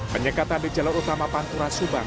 penyekatan di jalur utama pantura subang